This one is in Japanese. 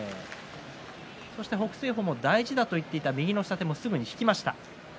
そして北青鵬も大事だと言っていた右の下手もすぐに引きました。